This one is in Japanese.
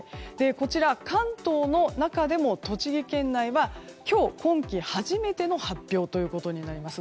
こちら、関東の中でも栃木県内は今日、今季初めての発表となります。